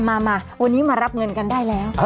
มาวันนี้มารับเงินกันได้แล้ว